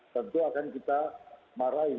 tentu akan kita marahi